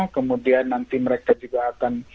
kemudian nanti mereka juga akan